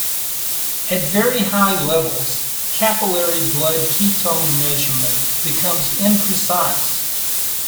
At very high levels, capillary blood ketone measurement becomes imprecise.